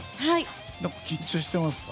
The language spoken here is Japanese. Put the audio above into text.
緊張してますか？